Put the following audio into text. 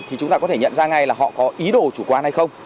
thì chúng ta có thể nhận ra ngay là họ có ý đồ chủ quan hay không